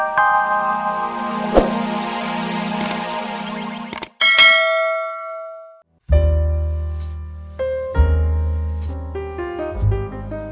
ya kamu urus dulu